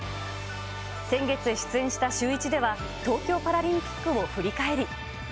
先月出演したシューイチでは、東京パラリンピックを振り返り。